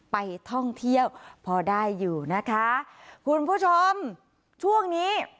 ไปท่องเที่ยวพอได้อยู่นะคะคุณผู้ชมช่วงนี้